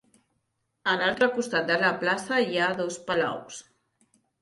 A l'altre costat de la plaça hi ha dos palaus.